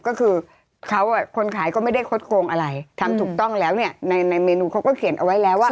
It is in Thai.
ก็คือเขาอ่ะคนขายก็ไม่ได้คดโกงอะไรทำถูกต้องแล้วเนี่ยในเมนูเขาก็เขียนเอาไว้แล้วว่า